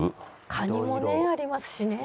カニもねありますしね。